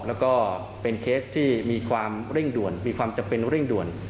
แล้วก็เป็นเคสที่มีความเร่งด่วนมีความจำเป็นเร่งด่วน